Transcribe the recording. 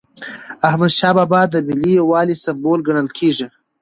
احمدشاه بابا د ملي یووالي سمبول ګڼل کېږي.